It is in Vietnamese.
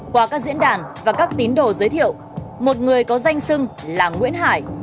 qua các diễn đàn và các tín đồ giới thiệu một người có danh sưng là nguyễn hải